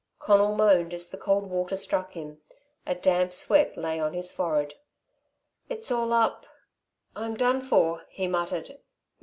Conal moaned as the cold water struck him. A damp sweat lay on his forehead. "It's all up I'm done for," he muttered.